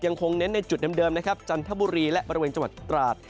ยังคงเน้นในจุดเดิมจันทบุรีและบริเวณจัวร์ตราศ